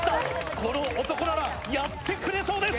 この男なら、やってくれそうです。